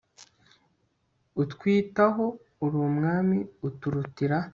utwitaho, uri umwami; uturutira